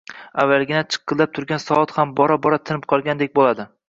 Avvaliga chiqillab turgan soat ham bora-bora tinib qolgandek bo‘ladi.